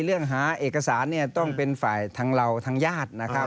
เรื่องหาเอกสารเนี่ยต้องเป็นฝ่ายทางเราทางญาตินะครับ